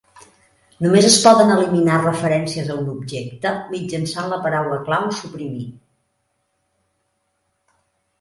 Només es poden eliminar referències a un objecte mitjançant la paraula clau "suprimir".